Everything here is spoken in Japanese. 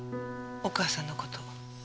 お母さんの事。